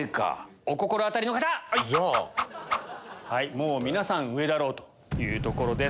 もう皆さん上だろうというところです。